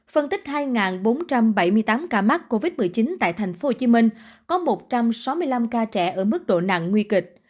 phân tích hai bốn trăm bảy mươi tám ca mắc covid một mươi chín tại thành phố hồ chí minh có một trăm sáu mươi năm ca trẻ ở mức độ nặng nguy kịch